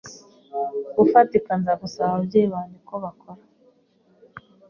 bufatika nza gusaba ababyeyi banjye ko bakora